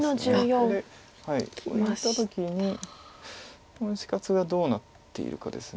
ここにいった時にこの死活がどうなっているかです。